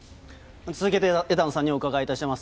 続けて、枝野さんにお伺いいたします。